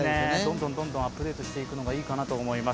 どんどんアップデートしていくのがいいかなと思います。